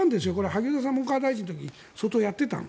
萩生田文科大臣の時に相当やってた。